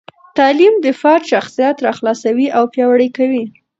تعلیم د فرد شخصیت راخلاصوي او پیاوړي کوي.